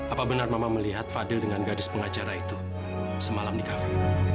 apa benar mama melihat fadil dengan gadis pengacara itu semalam di kafe